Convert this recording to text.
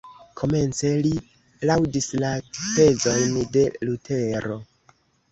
Komence li laŭdis la tezojn de Lutero.